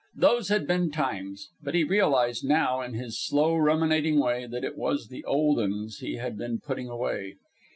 Those had been times! But he realized now, in his slow, ruminating way, that it was the old uns he had been putting away.